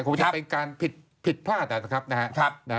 คงจะเป็นการผิดพลาดนะครับ